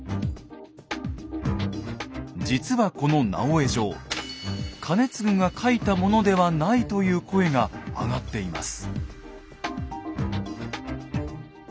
実はこの直江状兼続が書いたものではないという声があがっています。